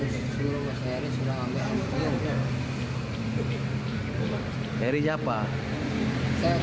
saya cuma suruh mas heri suruh ambil